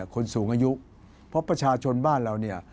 คนสูงอายุเพราะประชาชนบ้านเราเนี่ย